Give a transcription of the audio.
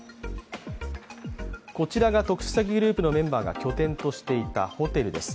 こちらが特殊詐欺グループのメンバーが拠点としていたホテルです。